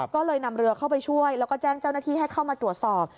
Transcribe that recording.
ก็เลยนำเรือเข้าไปช่วยแล้วก็แจ้งเจ้าหน้าที่ให้เข้ามาตรวจสอบ